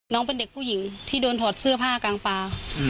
น้องเป็นเด็กผู้หญิงที่โดนถอดเสื้อผ้ากลางปลา